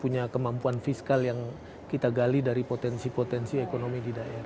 punya kemampuan fiskal yang kita gali dari potensi potensi ekonomi di daerah